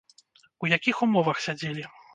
У якіх умовах сядзелі?